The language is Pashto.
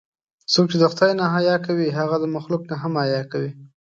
څوک چې له خدای نه حیا کوي، هغه د مخلوق نه هم حیا کوي.